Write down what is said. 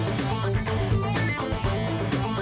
siapa sekarang ya